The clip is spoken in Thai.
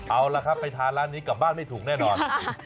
เอาล่ะครับไปทานร้านนี้กลับบ้านไม่ถูกแน่นอน